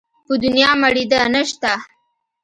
په دونيا مړېده نه شته.